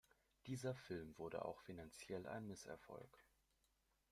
Dieser Film wurde auch finanziell ein Misserfolg.